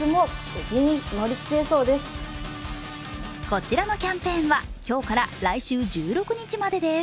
こちらのキャンペーンは今日から来週１６日までです。